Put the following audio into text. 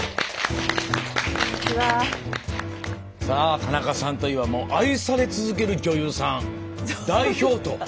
さあ田中さんといえば愛され続ける女優さん代表と。